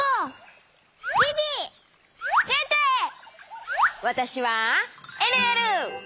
わたしはえるえる！